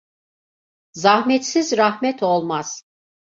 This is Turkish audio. Zahmetsiz rahmet olmaz.